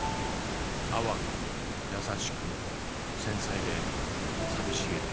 淡く優しく繊細で寂しげで。